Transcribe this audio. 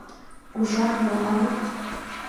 Ужат мо, а?